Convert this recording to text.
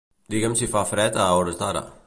Digue'm si fa fred a hores d'ara.